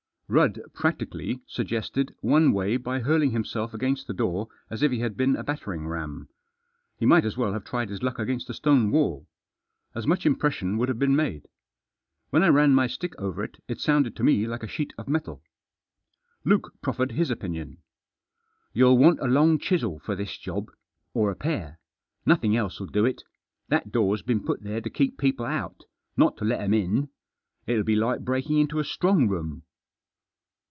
Rudd practically suggested one way by hurling himself against the door as if he had been a battering ram. He might as well have tried his luck against a stone wall. As much impression would have been made. When I ran my stick over it, it sounded to me like a sheet of metal. Luke proffered his opinion. " You'll want a long chisel for this job. Or a pair. Nothing else '11 do it. That door's been put there to keep people out. Not to let 'em in. It'll be like breaking into a strong room."